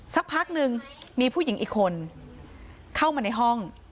สักพักหนึ่งมีผู้หญิงอีกคนเข้ามาในห้อง